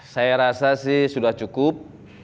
saya rasa sih sudah cukup